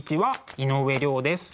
井上涼です。